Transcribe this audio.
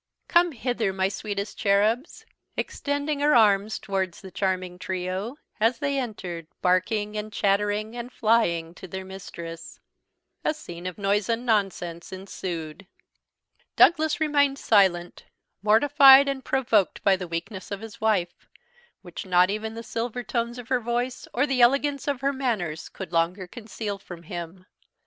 "Come hither, my sweetest cherubs," extending her arms towards the charming trio, as they entered, barking, and chattering, and flying to their mistress. A scene of noise and nonsense ensued. Douglas remained silent, mortified and provoked at the weakness of his wife, which not even the silver tones of her voice or the elegance of her manners could longer conceal from him.